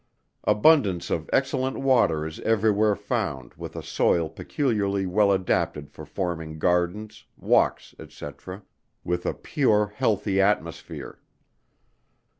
Abundance of excellent water is every where found with a soil peculiarly well adapted for forming gardens, walks, &c. with a pure, healthy atmosphere.